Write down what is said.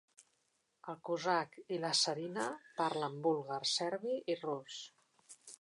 El cosac i la tsarina parlen búlgar, serbi i rus.